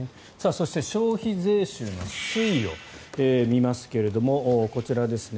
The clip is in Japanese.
そして、消費税収の推移を見ますけれどもこちらですね。